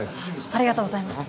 ありがとうございます。